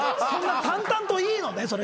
そんな淡々といいのね？